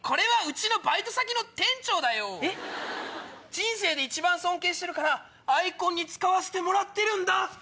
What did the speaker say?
人生で一番尊敬してるからアイコンに使わせてもらってるんだ。